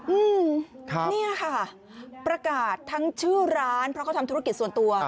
อืมครับเนี่ยค่ะประกาศทั้งชื่อร้านเพราะเขาทำธุรกิจส่วนตัว